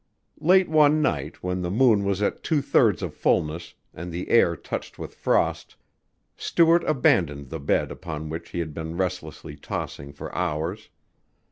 Late one night, when the moon was at two thirds of fullness and the air touched with frost, Stuart abandoned the bed upon which he had been restlessly tossing for hours.